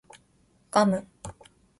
ガム